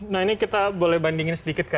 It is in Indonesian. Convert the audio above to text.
nah ini kita boleh bandingin sedikit